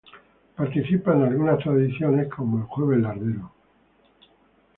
Participa en algunas tradiciones como el Jueves Lardero.